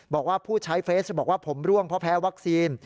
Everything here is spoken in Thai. บอกว่าผู้ใช้เฟซบอกว่าผมร่วงเพราะแพ้วัคซีน